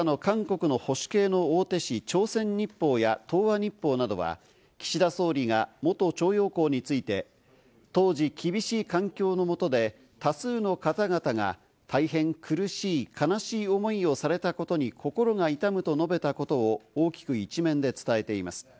今朝の韓国の保守系の大手紙、朝鮮日報や東亜日報などは、岸田総理が元徴用工について当時、厳しい環境のもとで多数の方々が大変苦しい、悲しい思いをされたことに心が痛むと述べたことを大きく一面で伝えています。